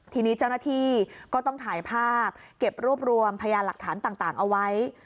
ทีนี้เจ้าหน้าที่ก็ต้องถ่ายภาพเก็บรวบรวมพยานหลักฐานต่างเอาไว้